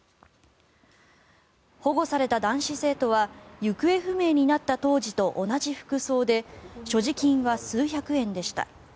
保護された男子生徒は行方不明になった当時と同じ服装で所持金は数百円でした。